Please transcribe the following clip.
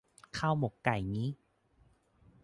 ข้าวหมกไก่งี้